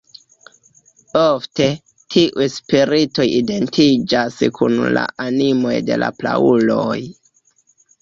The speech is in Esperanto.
Ofte, tiuj spiritoj identiĝas kun la animoj de la prauloj.